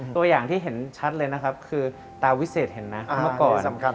ตัวอย่างที่เห็นชัดเลยนะครับคือตาวิเศษเห็นส์มาก่อน